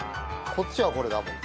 こっちはこれだもん。